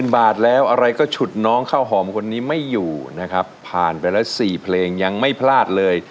บาทแล้วอะไรก็ฉุดน้องข้าวหอมคนนี้ไม่อยู่นะครับผ่านไปแล้ว๔เพลงยังไม่พลาดเลย